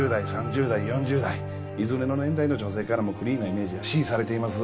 ２０代３０代４０代いずれの年代の女性からもクリーンなイメージが支持されています。